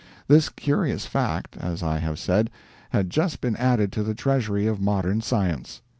This curious fact, as I have said, had just been added to the treasury of modern science.